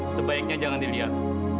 sebaiknya jangan dilihat